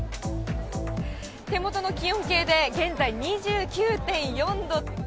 手元の気温計で現在、２９．４度。